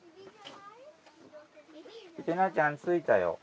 せなちゃん着いたよ。